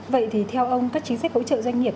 vậy thì theo ông các chính sách hỗ trợ doanh nghiệp